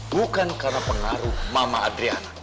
bukan karena pengaruh mama adriana